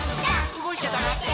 うごいちゃダメ。